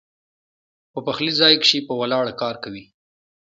پۀ پخلي ځائے کښې پۀ ولاړه کار کوي